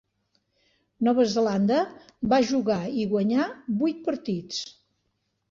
Nova Zelanda va jugar i guanyar vuit partits.